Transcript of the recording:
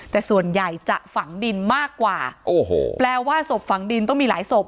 แต่ส่วนใหญ่จะฝังดินมากกว่าโอ้โหแปลว่าศพฝังดินต้องมีหลายศพ